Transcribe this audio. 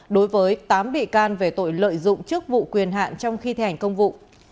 đối với tám bị can về tội lợi dụng chức vụ quyền hạn trong khi thi hành công vụ